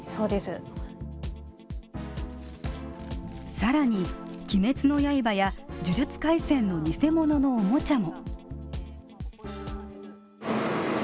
さらに、「鬼滅の刃」や「呪術廻戦」の偽物のおもちゃも。